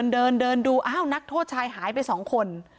เดินดูนักโทษชายหายไป๒คน